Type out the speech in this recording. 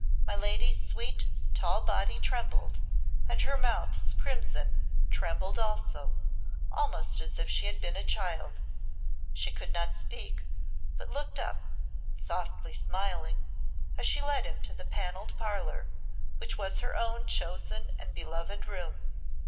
My lady's sweet, tall body trembled, and her mouth's crimson trembled also, almost as if she had been a child. She could not speak, but looked up, softly smiling, as she led him to a panelled parlour, which was her own chosen and beloved room.